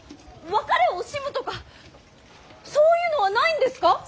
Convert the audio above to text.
別れを惜しむとかそういうのはないんですか。